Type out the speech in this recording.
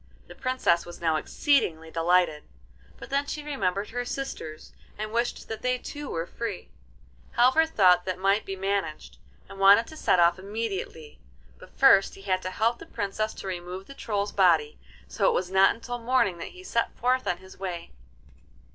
The Princess was now exceedingly delighted, but then she remembered her sisters, and wished that they too were free. Halvor thought that might be managed, and wanted to set off immediately; but first he had to help the Princess to remove the Troll's body, so it was not until morning that he set forth on his way.